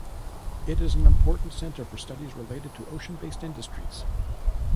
It is an important center for studies related to ocean-based industries.